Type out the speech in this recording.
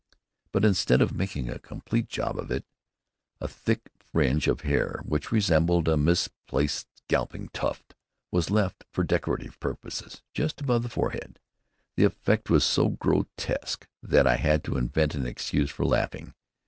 But instead of making a complete job of it, a thick fringe of hair which resembled a misplaced scalping tuft was left for decorative purposes, just above the forehead. The effect was so grotesque that I had to invent an excuse for laughing.